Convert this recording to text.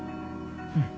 うん。